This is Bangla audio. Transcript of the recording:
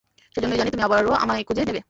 সেজন্যই জানি তুমি আবারো আমায় খুঁজে নেবে।